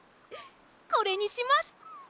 これにします！